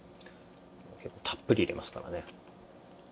結構たっぷり入れますからね。